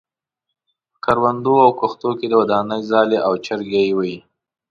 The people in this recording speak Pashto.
په کروندو او کښتو کې ودانې څالې او چرګۍ وې.